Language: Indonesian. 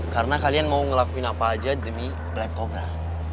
karena kalian mau ngelakuin apa aja demi black cobra